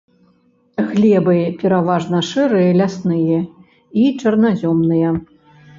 Глебы пераважна шэрыя лясныя і чарназёмныя.